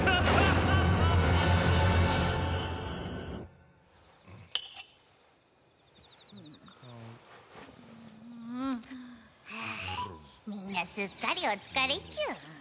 はあみんなすっかりお疲れチュン。